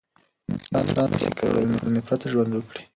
انسان نسي کولای له ټولنې پرته ژوند وکړي.